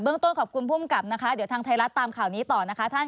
ต้นขอบคุณภูมิกับนะคะเดี๋ยวทางไทยรัฐตามข่าวนี้ต่อนะคะท่าน